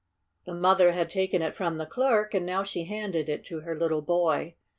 The mother had taken it from the clerk, and now she handed it to her little boy.